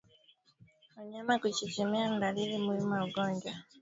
Wanyama kuchechemea ni dalili muhimu ya ugonjwa wa miguu na midomo